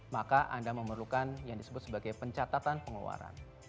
maka anda memerlukan yang disebut sebagai pencatatan pengeluaran